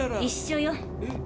一緒よ。